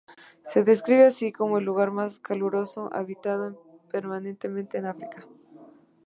Se describe así, como el lugar más caluroso habitado permanentemente en África.